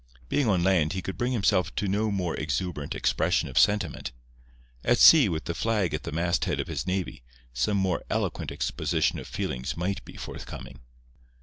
Being on land he could bring himself to no more exuberant expression of sentiment. At sea with the flag at the masthead of his navy, some more eloquent exposition of feelings might be forthcoming.